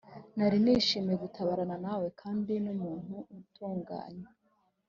nari nishimiye gutabarana nawe kandi ni umuntu utunganye